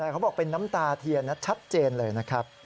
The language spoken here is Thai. เขาบอกเป็นน้ำตาเทียนชัดเจน